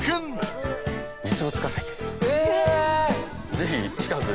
ぜひ近くで。